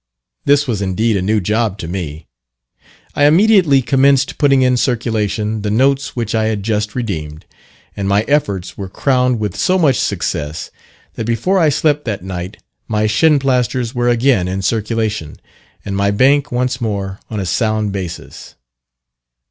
This was indeed a new job to me. I immediately commenced putting in circulation the notes which I had just redeemed, and my efforts were crowned with so much success, that before I slept that night my "Shinplasters" were again in circulation, and my bank once more on a sound basis.